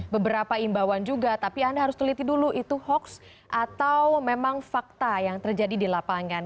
beberapa imbauan juga tapi anda harus teliti dulu itu hoax atau memang fakta yang terjadi di lapangan